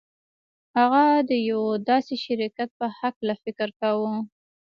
هغه د يوه داسې شرکت په هکله فکر کاوه.